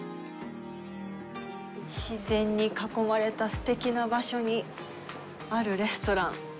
自然に囲まれたすてきな場所にあるレストラン。